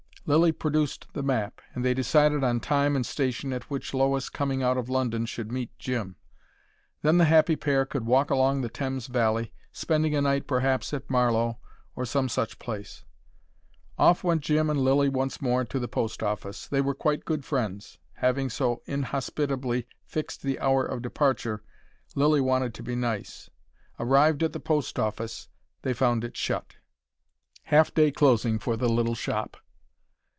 Lilly produced the map, and they decided on time and station at which Lois coming out of London, should meet Jim. Then the happy pair could walk along the Thames valley, spending a night perhaps at Marlowe, or some such place. Off went Jim and Lilly once more to the postoffice. They were quite good friends. Having so inhospitably fixed the hour of departure, Lilly wanted to be nice. Arrived at the postoffice, they found it shut: half day closing for the little shop.